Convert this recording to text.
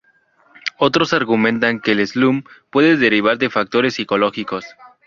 Otros argumentan que el slump puede derivar de factores psicológicos.